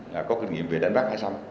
là có kinh nghiệm về đánh bắt hay không